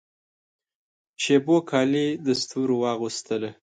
شېبو کالي د ستورو واغوستله